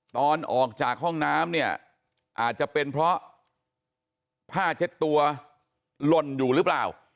ตอนออกจากห้องน้ำเนี่ยอาจจะเป็นเพราะผ้าเช็ดตัวหล่นอยู่หรือเปล่า